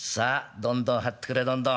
どんどん張れどんどん。